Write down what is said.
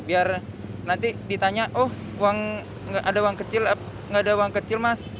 biar nanti ditanya oh ada uang kecil mas